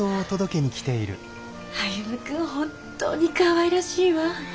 歩君本当にかわいらしいわ。